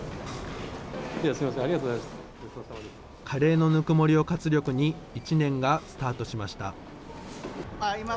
カレーのぬくもりを活力に、１年がスタートしました。